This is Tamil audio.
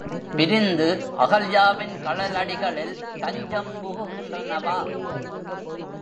பிரிந்து அகல்யாவின் கழலடிகளில் தஞ்சம் புகுகின்றனவா?